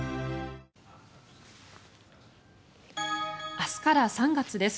明日から３月です。